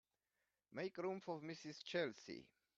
Make room for Mrs. Chelsea.